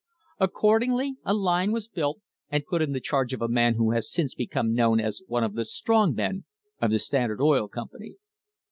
Accordingly, a line was built and put in the charge of a man who has since become known as one of the "strong men" of the Standard Oil Company.